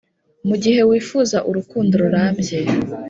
mugihe wifuza urukundo rurambye,